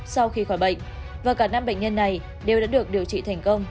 sau khi khỏi bệnh và cả năm bệnh nhân này đều đã được điều trị thành công